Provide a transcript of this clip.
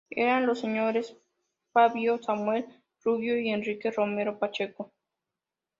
Eran los señores Fabio Samuel Rubio y Enrique Moreno Pacheco.